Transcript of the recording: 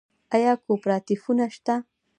آیا کوپراتیفونه شته؟